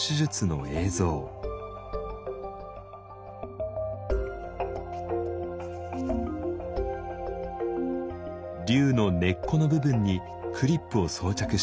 瘤の根っこの部分にクリップを装着していきます。